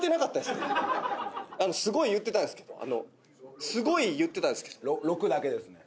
すごい言ってたんですけどあのすごい言ってたんですけど６だけですね